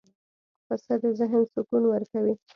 پسه د ذهن سکون ورکوي.